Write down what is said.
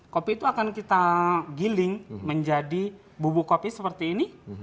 kopi itu akan kita giling menjadi bubuk kopi seperti ini